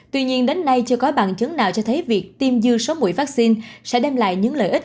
tuy nhiên đến nay chưa có bằng chứng nào cho thấy việc tiêm dư số mũi vaccine sẽ đem lại những lợi ích